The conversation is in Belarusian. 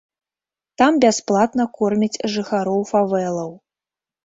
Там бясплатна кормяць жыхароў фавэлаў.